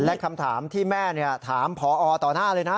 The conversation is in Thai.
และคำถามที่แม่ถามพอต่อหน้าเลยนะ